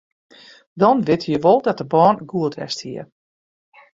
Dan witte je wol dat de bân goed west hie.